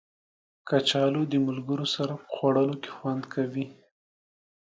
کچالو د ملګرو سره په خوړلو کې خوند کوي